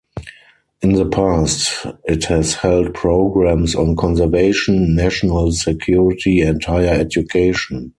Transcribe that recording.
In the past, it has held programs on conservation, national security, and higher education.